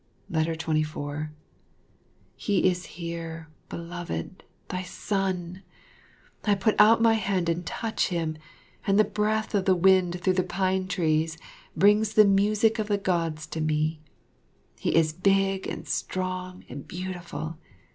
24 He is here, beloved, thy son! I put out my hand and touch him, and the breath of the wind through the pine trees brings the music of the Gods to me. He is big and strong and beautiful.